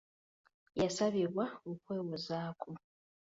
Yasabibwa okwewozaako.